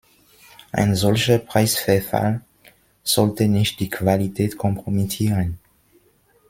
Ein solcher Preisverfall sollte nicht die Qualität kompromittieren.